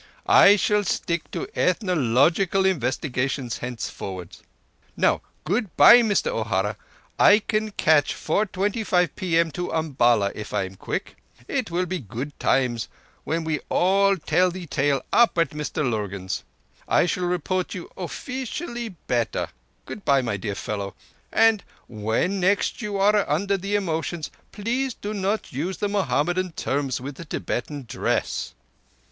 I shall stick to ethnological investigations henceforwards. Now good bye, Mister O'Hara. I can catch 4.25 p.m. to Umballa if I am quick. It will be good times when we all tell thee tale up at Mr Lurgan's. I shall report you offeecially better. Good bye, my dear fallow, and when next you are under thee emotions please do not use the Mohammedan terms with the Tibetan dress."